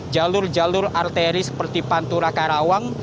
jalur jalur arteri seperti pantura karawang